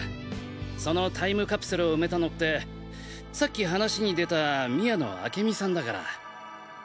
そのタイムカプセルを埋めたのってさっき話に出た宮野明美さんだから。